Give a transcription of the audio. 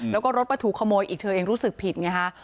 แล้วก็รถมาถูกขโมยอีกเธอเองรู้สึกผิดไงฮะ